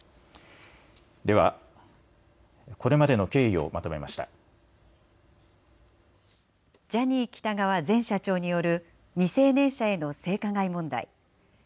では、これまでの経緯をまとめまジャニー喜多川前社長による未成年者への性加害問題。